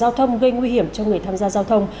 rào thông gây nguy hiểm cho người tham gia rào thông